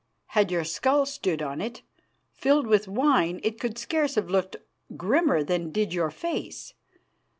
Had your skull stood on it, filled with wine, it could scarce have looked grimmer than did your face.